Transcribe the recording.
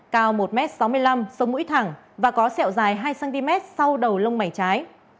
cao một m sáu mươi năm sông mũi thẳng và có xẹo dài hai cm sau đầu lông mày trái